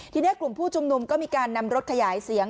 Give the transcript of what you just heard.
ทีนี้กลุ่มผู้ชุมนุมก็มีการนำรถขยายเสียง